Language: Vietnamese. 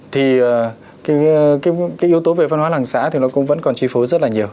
thì cái yếu tố về văn hóa làng xã thì nó cũng vẫn còn chi phối rất là nhiều